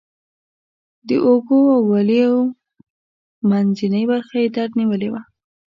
د اوږو او ولیو منځنۍ برخه یې درد نیولې وه.